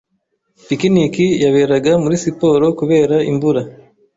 Picnic yaberaga muri siporo kubera imvura.